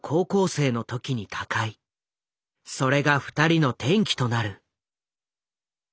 それが二人の転機となる。